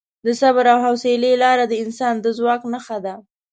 د صبر او حوصلې لار د انسان د ځواک نښه ده.